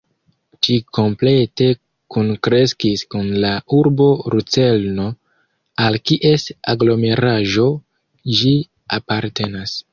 Ĝi komplete kunkreskis kun la urbo Lucerno, al kies aglomeraĵo ĝi apartenas.